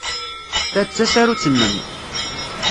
Ta d tasarut-nnem.